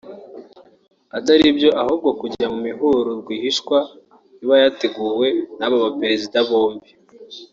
ataribyo ahubwo kujya mu mihuro rwihishwa iba yateguwe n’aba ba Perezida bombi